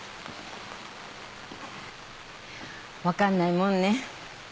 分かんないもんね。